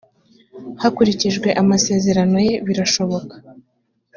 hakurikijwe amasezerano ye birashoboka